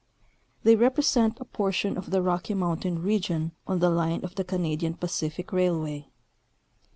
They represent a portion of the Rocky mountain region on the line of the Canadian Pacific railway.